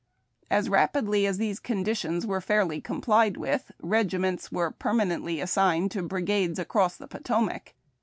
As rapidl}' as these conditions were fairly complied with, regiments were permanently assigned to brigades across the Potomac.